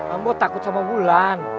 ambo takut sama bulan